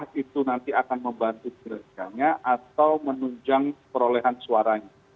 apakah itu nanti akan membantu kerjanya atau menunjang perolehan suaranya